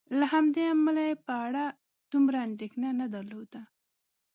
له همدې امله یې په اړه دومره اندېښنه نه درلودله.